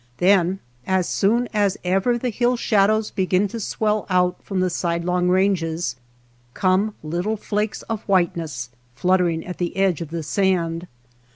Then as soon as ever the hill shad ows begin to swell out from the sidelong ranges, come little flakes of whiteness flut tering at the edge of the sand.